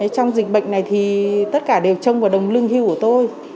trong dịch bệnh này thì tất cả đều trông vào đồng lương hưu của tôi